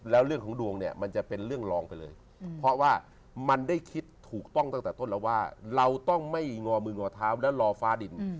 แล้วเรื่องของดวงเนี่ยมันจะเป็นเรื่องรองไปเลยเพราะว่ามันได้คิดถูกต้องตั้งแต่ต้นแล้วว่าเราต้องไม่งอมืองอเท้าและรอฟ้าดิน